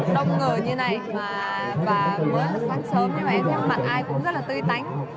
đông người như này và mới là sáng sớm như vậy nhưng mà ai cũng rất là tươi tánh